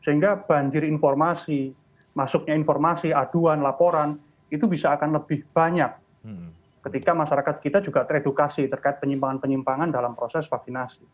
sehingga banjir informasi masuknya informasi aduan laporan itu bisa akan lebih banyak ketika masyarakat kita juga teredukasi terkait penyimpangan penyimpangan dalam proses vaksinasi